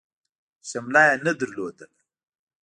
شمله يې نه لرله.